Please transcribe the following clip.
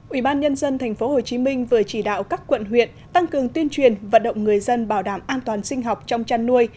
ủy ban nhân dân tp hcm vừa chỉ đạo các quận huyện tăng cường tuyên truyền vận động người dân bảo đảm an toàn sinh học trong chăn nuôi